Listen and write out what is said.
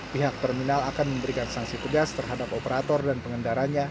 pihak terminal akan memberikan sanksi tegas terhadap operator dan pengendaranya